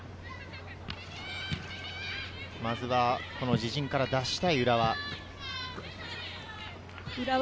自陣から出したい浦和。